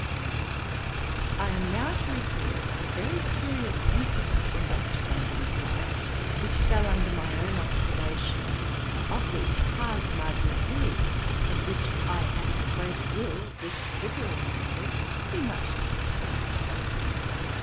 I am now to record a very curious incident in Dr. Johnson's Life, which fell under my own observation; of which pars magna fui, and which I am persuaded will, with the liberal minded, be much to his credit.